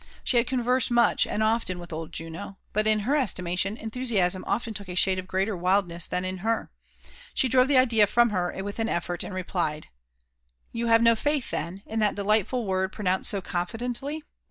She had conversed much and often with old Juno ; but, in her estimation, enthusiasm often took a shade of greater wildness than in her. She drove the idea from her with an effort, and re plied —" You have no faith, then, in that delightful word pronounced so confidently